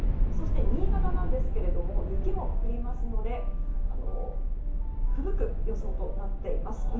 そして、新潟なんですが雪も降りますのでふぶく予想となっています。